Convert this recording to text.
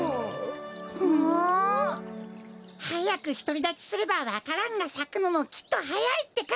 はやくひとりだちすればわか蘭がさくのもきっとはやいってか。